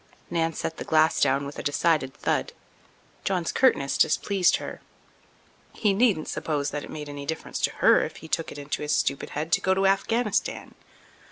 Nan set the glass down with a decided thud. John's curtness displeased her. He needn't suppose that it made any difference to her if he took it into his stupid head to go to Afghanistan.